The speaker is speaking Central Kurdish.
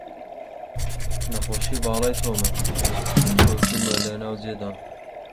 نەخۆشی باڵای تۆمە، کەوتوومە لە ناو جێدام